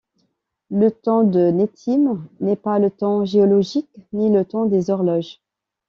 Le temps de nettime n'est pas le temps géologique, ni le temps des horloges.